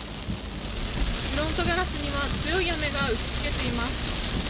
フロントガラスには強い雨が打ちつけています。